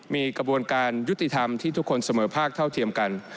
มีกระบวนการยุติธรรมที่ทุกคนเสมอภาคเท่าเทียมกัน